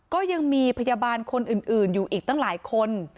ก็ยังมีพยาบาลคนอื่นอยู่อีกตั้งหลายคน